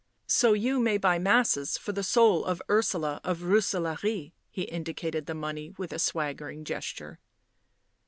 " So you may buy masses for the soul of Ursula of Rooselaare." He indicated the money with a swagger ing gesture.